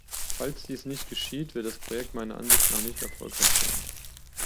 Falls dies nicht geschieht, wird das Projekt meiner Ansicht nach nicht erfolgreich sein.